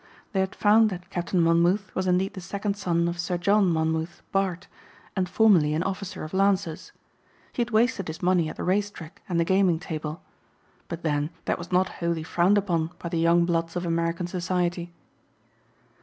They had found that Captain Monmouth was indeed the second son of Sir John Monmouth, Bart, and formerly an officer of Lancers. He had wasted his money at the race track and the gaming table; but then that was not wholly frowned upon by the young bloods of American society.